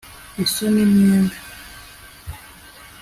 Isoni mwembi